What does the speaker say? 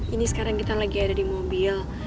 ini sekarang kita lagi ada di mobil